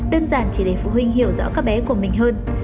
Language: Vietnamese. đơn giản chỉ để phụ huynh hiểu rõ các bé của mình hơn